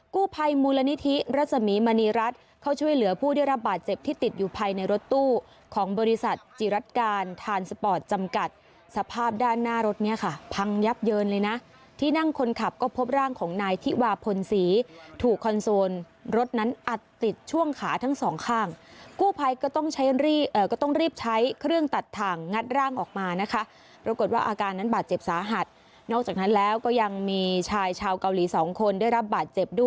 กู้ภัยมูลณิธิรัศมีมณีรัฐเขาช่วยเหลือผู้ได้รับบาดเจ็บที่ติดอยู่ภัยในรถตู้ของบริษัทจิรัติการทานสปอร์ตจำกัดสภาพด้านหน้ารถเนี่ยค่ะพังยับเยินเลยนะที่นั่งคนขับก็พบร่างของนายทิวาพลศรีถูกคอนโซนรถนั้นอัดติดช่วงขาทั้งสองข้างกู้ภัยก็ต้องใช้รีก็ต้องรีบใช้เครื่องต